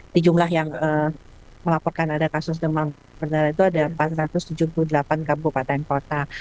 di jumlah yang melaporkan ada kasus demam berdarah itu ada empat ratus tujuh puluh delapan kabupaten kota